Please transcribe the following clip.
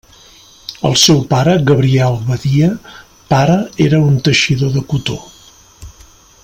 El seu pare, Gabriel Badia, pare era un teixidor de cotó.